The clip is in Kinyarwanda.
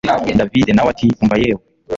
davide nawe ati umva yewee